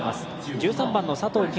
１３番の佐藤恵